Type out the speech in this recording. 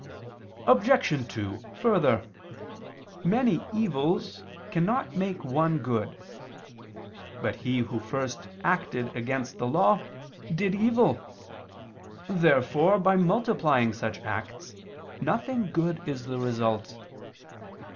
Obj. 2: Further, many evils cannot make one good. But he who first acted against the law, did evil. Therefore by multiplying such acts, nothing good is the result.